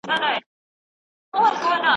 د قدرت اصلي سرچینه څه ده؟